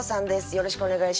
よろしくお願いします。